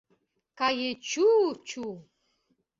— КаеЧу, чу!